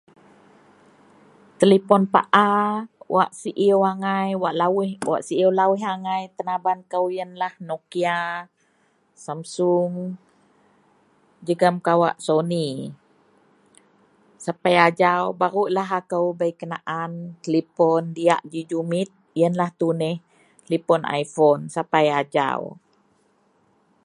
Telipon paa wak siew angai, wak lawuih, wak siew lawuih angai tenaban kou yenlah Nokia, Samsung jegem kawak Sony. Sapai ajau barulah akou bei kenaan telipon diyak ji jumit. Yenlah tuneh telipon ipon sapai ajau